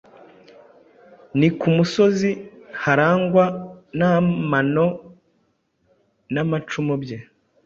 ni ku musozi harangwa n’amano n’ amacumu bye